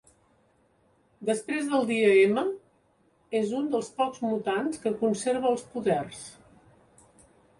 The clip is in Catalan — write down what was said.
Després del dia M, és un dels pocs mutants que conserva els poders.